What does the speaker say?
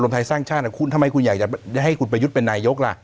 ไทยสร้างชาติคุณทำไมคุณอยากจะให้คุณประยุทธ์เป็นนายกล่ะ